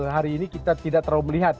hari ini kita tidak terlalu melihat